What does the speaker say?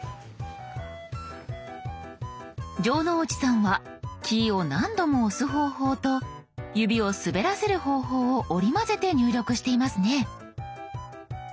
城之内さんはキーを何度も押す方法と指を滑らせる方法を織り交ぜて入力していますね。